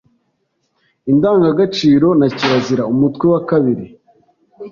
indangagaciro na kirazira. Umutwe wa kabiri